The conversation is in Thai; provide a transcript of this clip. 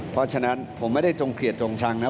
เพราะฉะนั้นผมไม่ได้จงเกลียดจงชังนะ